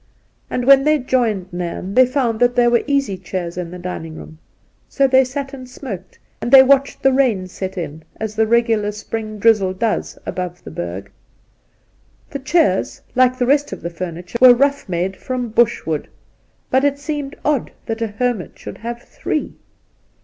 And when they joined Nairn they found that there were easy chairs in the dining room ; so there they sat and smoked, and watched the rain set in as the regular spring drizzle does above the Berg. The chairs, like, the rest of the furniture, were rough made from bushwood ; but it seemed odd that a hermit should have three.